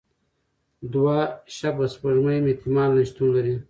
دوه شبح سپوږمۍ هم احتمالاً شتون لري.